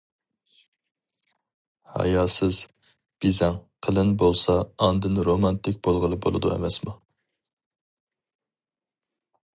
ھاياسىز، بېزەڭ، قېلىن بولسا ئاندىن رومانتىك بولغىلى بولىدۇ ئەمەسمۇ.